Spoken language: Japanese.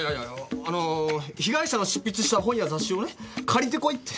あの被害者の執筆した本や雑誌をね借りて来いって。